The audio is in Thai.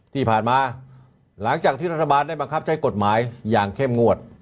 ที่ผ่านมาหลังจากที่รัฐบาลได้บังคับใช้กฎหมายอย่างเข้มงวด